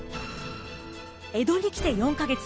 江戸に来て４か月。